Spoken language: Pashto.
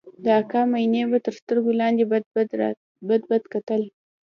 د اکا مينې به تر سترگو لاندې راته بدبد کتل.